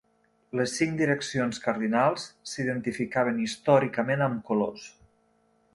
Les cinc direccions cardinals s'identificaven històricament amb colors.